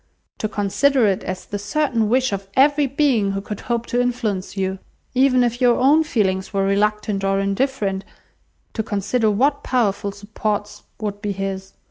To consider it as the certain wish of every being who could hope to influence you! Even if your own feelings were reluctant or indifferent, to consider what powerful supports would be his!